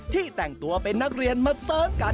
แต่งตัวเป็นนักเรียนมาเสิร์ชกัน